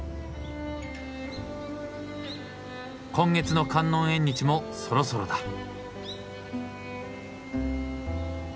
今月の観音縁日もそろそろだ。